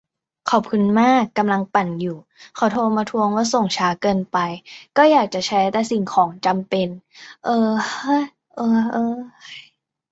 ขอบคุณมาก กำลังปั่นอยู่ "เขาโทรมาทวง ว่าส่งช้าเกินไป" ก็อยากจะใช้แต่สิ่งของจำเป็น เออ เอ๊อเออเอ๊อเออ